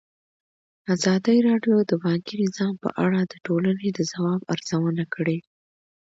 ازادي راډیو د بانکي نظام په اړه د ټولنې د ځواب ارزونه کړې.